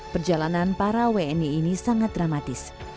perjalanan para wni ini sangat dramatis